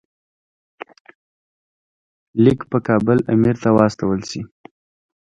لیک په کابل امیر ته واستول شي.